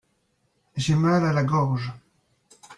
J'ai mal à la gorge.